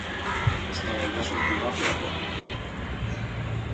Eztabaida sortu da platoan.